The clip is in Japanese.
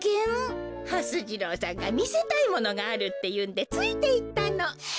はす次郎さんがみせたいものがあるっていうんでついていったの。